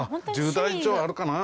１０台以上あるかな？